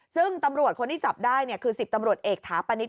ซึ่งตำรวจคนที่จับได้คือ๑๐ตำรวจเอกถาปณิต